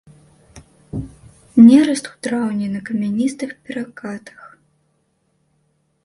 Нераст у траўні на камяністых перакатах.